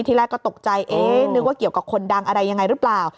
ที่แรกก็ตกใจเอ๊ะนึกว่าเกี่ยวกับคนดังอะไรยังไงหรือเปล่า